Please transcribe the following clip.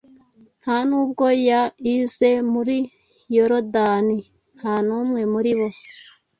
Nta nubwo yaize muri Yorodani, nta numwe muri bo